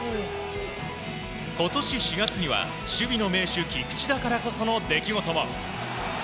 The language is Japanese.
今年４月には、守備の名手菊池だからこその出来事も。